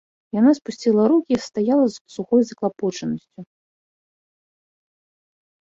Яна спусціла рукі і стаяла з сухой заклапочанасцю.